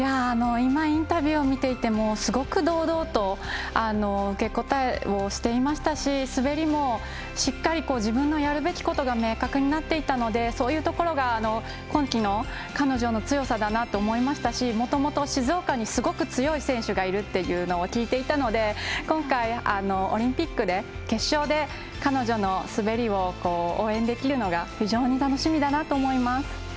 今インタビュー見ていてもすごく堂々と受け答えをしていましたし滑りもしっかり自分のやるべきことが明確になっていたのでそういうところが今季の彼女の強さだなと思いましたしもともと、静岡に、すごく強い選手がいるっていうのを聞いていたので今回、オリンピックで決勝で彼女の滑りを応援できるのが非常に楽しみだなと思います。